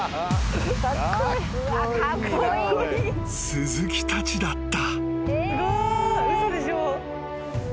［鈴木たちだった］